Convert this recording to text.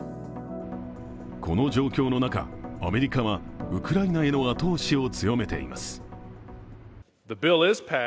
この状況の中、アメリカはウクライナへの後押しを強めています。